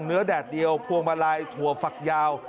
แดดเดียวพวงมาลัยถั่วฝักยาว